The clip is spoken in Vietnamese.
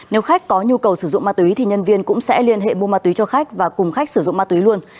nếu khách có nhu cầu sử dụng mát tuy thì nhân viên cũng sẽ liên hệ mua mát tuy cho khách và cùng khách sử dụng mát tuy luôn